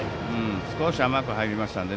少し甘く入りましたので。